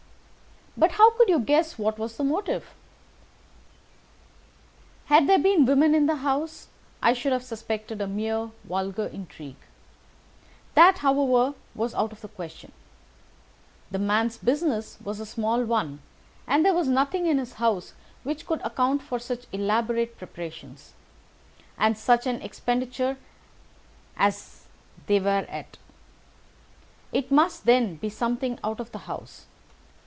"But how could you guess what the motive was?" "Had there been women in the house, I should have suspected a mere vulgar intrigue. That, however, was out of the question. The man's business was a small one, and there was nothing in his house which could account for such elaborate preparations, and such an expenditure as they were at. It must, then, be something out of the house.